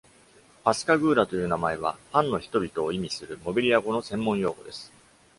「パスカグーラ」という名前は、「パンの人々」を意味するモビリア語の専門用語です。